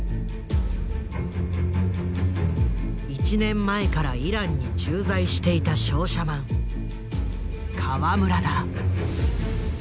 １年前からイランに駐在していた商社マン河村だ。